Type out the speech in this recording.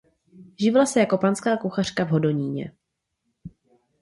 Živila se jako panská kuchařka v Hodoníně.